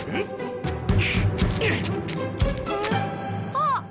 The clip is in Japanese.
あっ！